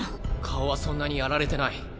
顔はそんなにやられてない。